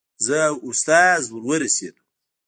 زه او استاد ور ورسېدو.